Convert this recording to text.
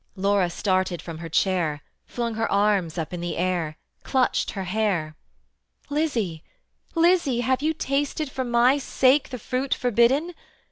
Laura started from her chair, Flung her arms up in the air, Clutched her hair: "Lizzie, Lizzie, have you tasted For my sake the fruit forbidden?